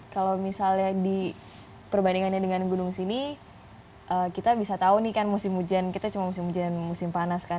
kalau misalnya diperbandingannya dengan gunung sini kita bisa tahu nih kan musim hujan kita cuma musim hujan musim panas kan